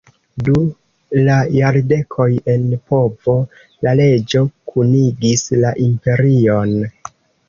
Du la jardekoj en povo, la reĝo kunigis la imperion.